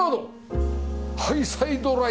ハイサイドライト。